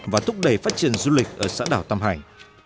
và thúc đẩy phát triển du lịch ở xã đảo tam hải